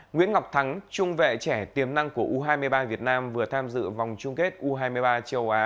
nguyễn ngọc thắng trung vệ trẻ tiềm năng của u hai mươi ba việt nam vừa tham dự vòng chung kết u hai mươi ba châu á